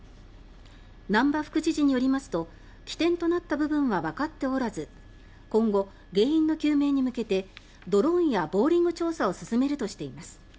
難波副知事によりますと起点となった部分はわかっておらず今後、原因の究明に向けてドローンやボーリング調査を進めるとしています。